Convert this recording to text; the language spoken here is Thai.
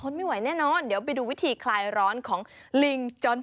ไม่ไหวแน่นอนเดี๋ยวไปดูวิธีคลายร้อนของลิงจน